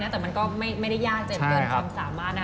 แต่มันก็ไม่ได้ยากจนเกินความสามารถ